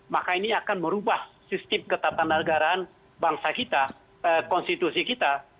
maka ini akan merubah sistem ketatanegaraan bangsa kita konstitusi kita